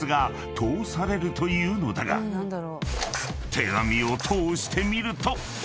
［手紙を通してみると］